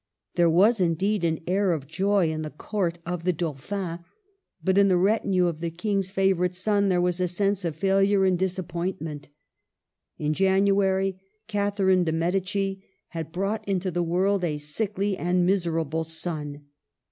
Tiiere was indeed an air of joy in the Court of the Dauphin ; but in the retinue of the King's favorite son there was a sense of failure and disappointment. In Janu ary, Catherine dei Medici had brought into the world a sickly and miserable son.